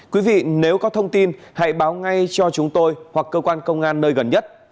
quý vị nếu có thông tin hãy báo ngay cho chúng tôi hoặc cơ quan công an nơi gần nhất